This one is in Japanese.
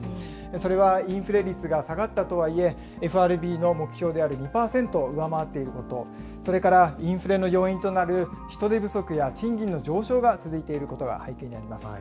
それはインフレ率が下がったとはいえ、ＦＲＢの目標である２％を上回っていること、それからインフレの要因となる人手不足や賃金の上昇が続いていることが背景にあります。